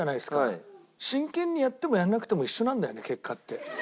真剣にやってもやらなくても一緒なんだよね結果って。